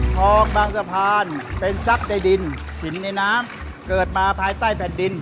ทองบางสะพานเป็นทรัพย์ในดินสินในน้ำเกิดมาภายใต้แผ่นดิน